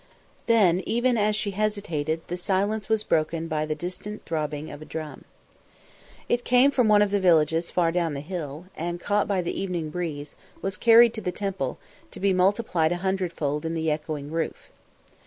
Then, even as she hesitated, the silence was broken by the distant throbbing of a drum. It came from one of the villages far down the hill and, caught by the evening breeze, was carried to the temple, to be multiplied a hundredfold in the echoing roof.